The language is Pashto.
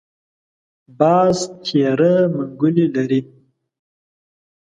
باز تېره منګولې لري